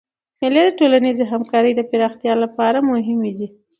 مېلې د ټولنیزي همکارۍ د پراختیا له پاره مهمي دي.